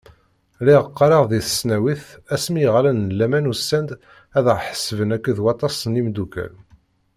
Lliɣ qqareɣ di tesnawit, asmi iɣallen n laman usan-d ad aɣ-ḥebsen akked waṭas n yimeddukkal.